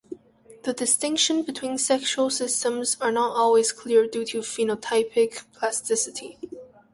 The distinction between sexual systems are not always clear due to phenotypic plasticity.